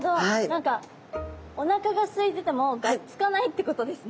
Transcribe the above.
何かおなかがすいててもがっつかないってことですね。